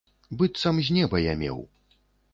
Быццам з неба я меў.